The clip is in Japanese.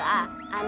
ああ！